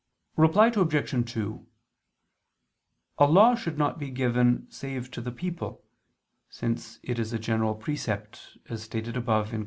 Reply Obj. 2: A law should not be given save to the people, since it is a general precept, as stated above (Q.